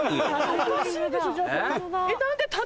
おかしいでしょ。